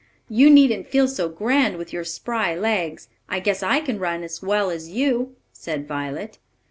"You needn't feel so grand with your spry legs. I guess I can run as well as you," said Violet.